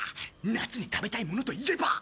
夏に食べたいものといえば！